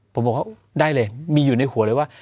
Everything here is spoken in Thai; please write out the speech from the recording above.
ผมบอกว่าได้เลยมีอยู่ในหัวเลยว่า